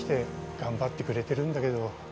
頑張ってくれてるんだけど